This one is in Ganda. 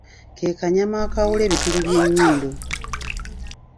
Ke kanyama akaawula ebituli by'enyindo.